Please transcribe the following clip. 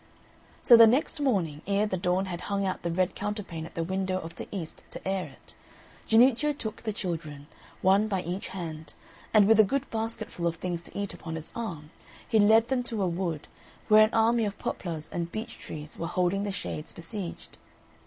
So the next morning, ere the Dawn had hung out the red counterpane at the window of the East to air it, Jannuccio took the children, one by each hand, and with a good basketful of things to eat upon his arm, he led them to a wood, where an army of poplars and beech trees were holding the shades besieged.